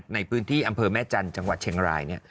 ในพื้นที่อำเภอแม่จันทร์จังหวัดเชียงราย